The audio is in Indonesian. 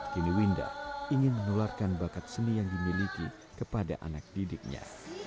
kini winda ingin menularkan bakat seni yang dimiliki kepada anak didiknya